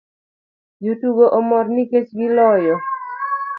Jotugo omor nikech giloyo